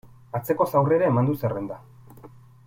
Atzekoz aurrera eman du zerrenda.